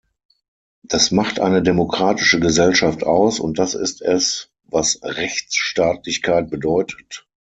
Das macht eine demokratische Gesellschaft aus, und das ist es, was Rechtstaatlichkeit bedeutet.